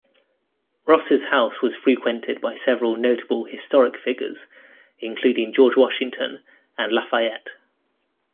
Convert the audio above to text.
Ross's house was frequented by several notable historic figures, including George Washington and Lafayette.